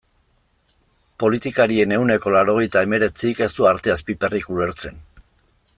Politikarien ehuneko laurogeita hemeretzik ez du arteaz piperrik ulertzen.